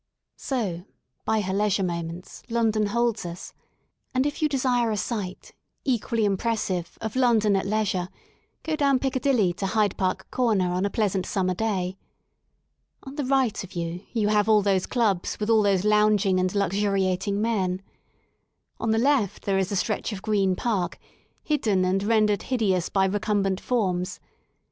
So by her leisure moments London holds us. And if you desire a sight, equally impressive, of London at leisure, go down Piccadilly to Hyde Park Corner on a pleasant summer day. On the right of you you have all those clubs with all those lounging and luxuriat ing men. On the left there is a stretch of green park, hidden and rendered hideous by recumbent forms.